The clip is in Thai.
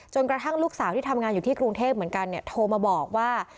กระทั่งลูกสาวที่ทำงานอยู่ที่กรุงเทพเหมือนกันโทรมาบอกว่า